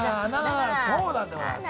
そうなんでございます。